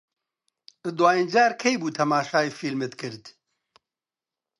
دوایین جار کەی بوو تەماشای فیلمت کرد؟